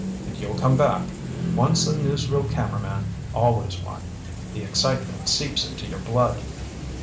"And you'll come back. Once a newsreel cameraman, always one. The excitement seeps into your blood."